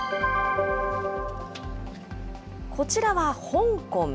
こちらは香港。